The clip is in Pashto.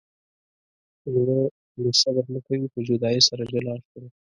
زړه مې صبر نه کوي په جدایۍ سره جلا شول.